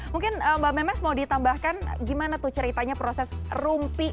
mungkin mbak memes mau ditambahkan gimana tuh ceritanya proses rumpi